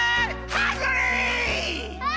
ハングリー！